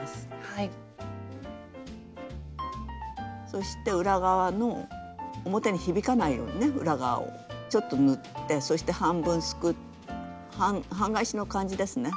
そして裏側の表に響かないようにね裏側をちょっと縫ってそして半分すくう半返しの感じですね。